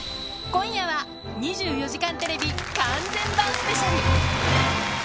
今夜は２４時間テレビ完全版スペシャル。